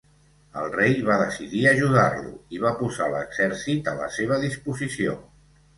El rei va decidir ajudar-lo i va posar l'exèrcit a la seva disposició.